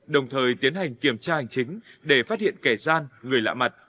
đồng thời tiến hành kiểm tra hành chính để phát hiện kẻ gian người lạ mặt